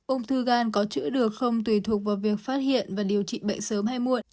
ung thư gan có chữa được không tùy thuộc vào việc phát hiện và điều trị bệnh sớm hay muộn